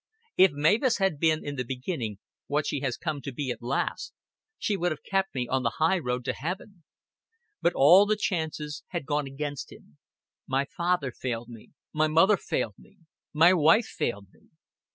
"If Mavis had been in the beginning what she has come to be at last, she would have kept me on the highroad to Heaven." But all the chances had gone against him. "My father failed me, my mother failed me, my wife failed me."